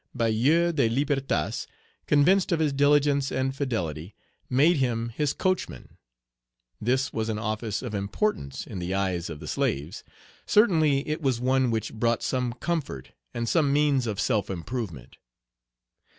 Bayou de Libertas, convinced of his diligence and fidelity, made him his coachman. This was an office of importance in the eyes of the slaves; certainly it was one which brought some comfort and some means of self improvement.